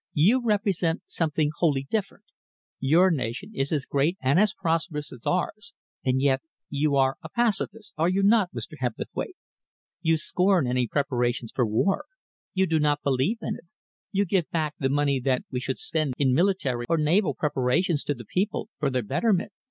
You represent something wholly different. Your nation is as great and as prosperous as ours, and yet you are a pacifist, are you not, Mr. Hebblethwaite? You scorn any preparations for war. You do not believe in it. You give back the money that we should spend in military or naval preparations to the people, for their betterment.